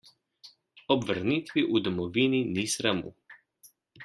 Ob vrnitvi v domovini ni sramu.